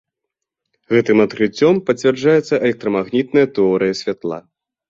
Гэтым адкрыццём пацвярджаецца электрамагнітная тэорыя святла.